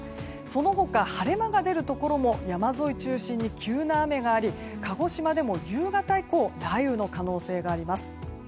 その他、晴れ間が出るところも山沿い中心に急な雨があり鹿児島でも夕方以降雷雨の可能性があります。